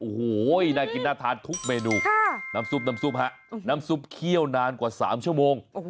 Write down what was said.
โอ้โหได้กินอาทานทุกเมนูน้ำซุปน้ำซุปเขี้ยวนานกว่า๓ชั่วโมง